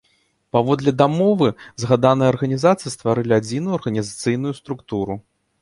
Паводле дамовы, згаданыя арганізацыі стварылі адзіную арганізацыйную структуру.